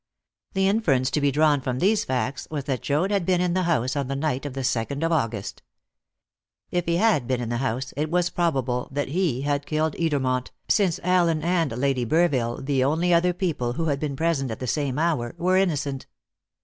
The inference to be drawn from these facts was that Joad had been in the house on the night of the second of August. If he had been in the house, it was probable that he had killed Edermont, since Allen and Lady Burville, the only other people who had been present at the same hour, were innocent.